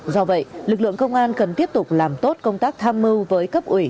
do vậy lực lượng công an cần tiếp tục làm tốt công tác tham mưu với cấp ủy